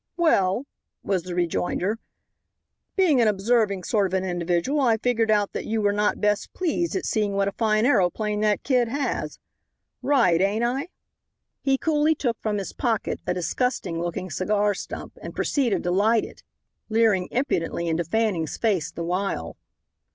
"Well," was the rejoinder, "being an observing sort of an individual I figured out that you were not best pleased at seeing what a fine aeroplane that kid has. Right, ain't I?" He coolly took from his pocket a disgusting looking cigar stump and proceeded to light it, leering impudently into Fanning's face the while.